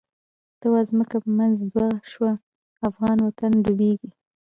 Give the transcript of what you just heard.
ته وا ځمکه په منځ دوه شوه، افغانی وطن ډوبیږی